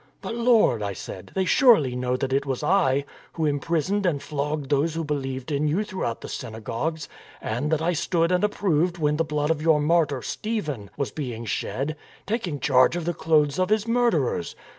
"' But, Lord,' I said, ' they surely know that it was I who imprisoned and flogged those who believed in You throughout the synagogues, and that I stood and approved when the blood of your martyr Stephen was being shed, taking charge of the clothes of his murderers!'